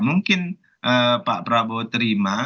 mungkin pak prabowo terima